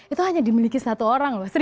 itu hanya dimiliki satu orang loh